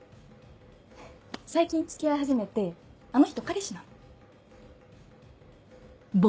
最近付き合い始めてあの人彼氏なの。